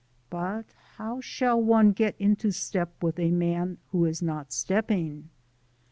But how shall one get into step with a man who is not stepping?